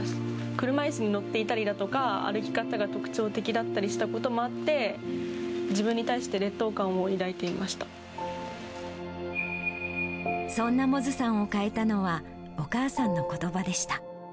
車いすに乗っていたりだとか、歩き方が特徴的だったりしたこともあって、自分に対して劣等感をそんな百舌さんを変えたのは、お母さんのことばでした。